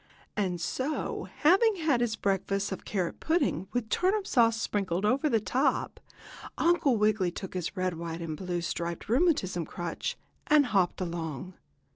And so, having had his breakfast of carrot pudding, with turnip sauce sprinkled over the top, Uncle Wiggily took his red, white and blue striped rheumatism crutch, and hopped along.